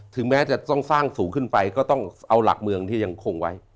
แม้จะต้องสร้างสูงขึ้นไปก็ต้องเอาหลักเมืองที่ยังคงไว้